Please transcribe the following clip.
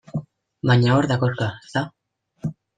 Baina hor da koxka, ezta?